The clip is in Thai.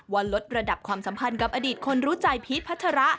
ลดระดับความสัมพันธ์กับอดีตคนรู้ใจพีชพัชระ